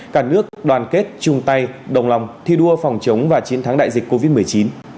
cả nước đoàn kết chung tay đồng lòng thi đua phòng chống và chiến thắng đại dịch covid một mươi chín